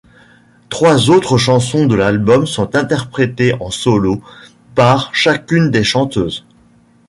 Trois autres chansons de l'album sont interprétées en solo par chacune des chanteuses.